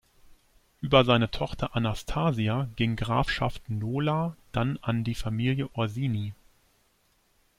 Über seine Tochter Anastasia ging Grafschaft Nola dann an die Familie Orsini.